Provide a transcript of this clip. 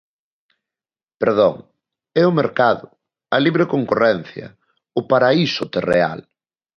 Perdón, é o mercado, a libre concorrencia, o Paraíso terreal.